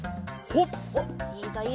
ほっ！